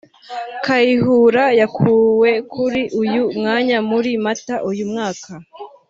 Kayihurayakuwe kuri uyu mwanya muri Mata uyu mwaka